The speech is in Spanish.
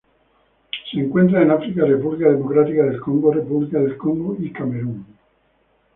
Se encuentran en África: República Democrática del Congo, República del Congo y Camerún.